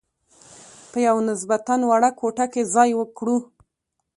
په یوه نسبتاً وړه کوټه کې ځای کړو.